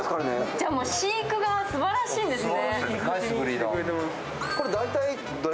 じゃ、飼育がすばらしいんですね